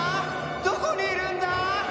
どこにいるんだ？